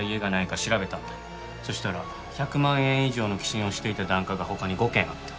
そしたら１００万円以上の寄進をしていた檀家が他に５軒あった。